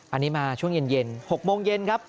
อันนี้มาช่วงเย็น๖โมงเย็นครับ